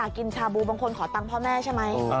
กินชาบูบางคนขอตังค์พ่อแม่ใช่ไหม